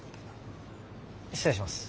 失礼します。